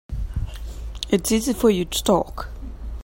It's easy for you to talk.